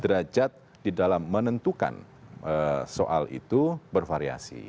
derajat di dalam menentukan soal itu bervariasi